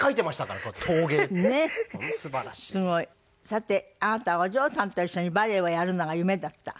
さてあなたはお嬢さんと一緒にバレエをやるのが夢だった。